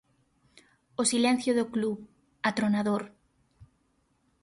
O silencio do club, atronador.